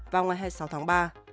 vào ngày hai mươi sáu tháng ba